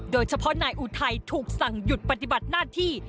โดยเฉพาะนายอุทัยถูกสั่งหยุดปฏิบัติหน้าที่